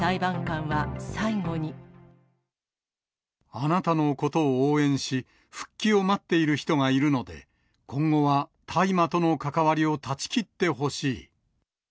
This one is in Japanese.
あなたのことを応援し、復帰を待っている人がいるので、今後は大麻との関わりを断ち切ってほしい。